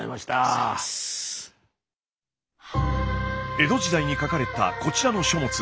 江戸時代に書かれたこちらの書物。